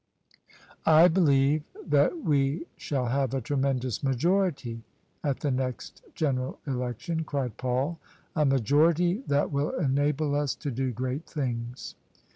" I believe that we shall have a tremendous majority at the next General Election," cried Paul: "a majority that will enable us to do great things."